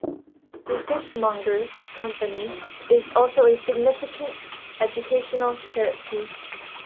The Fishmongers' Company is also a significant educational charity.